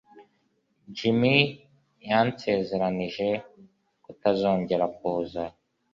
Jim yansezeranije kutazongera kuza.